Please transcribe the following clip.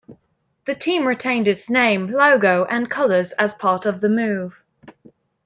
The team retained its name, logo and colors as part of the move.